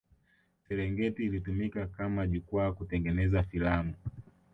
Serengeti ilitumika kama jukwaa kutengeneza filamu